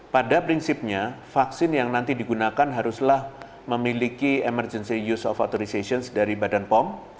pada prinsipnya vaksin yang nanti digunakan haruslah memiliki emergency use of authorizations dari badan pom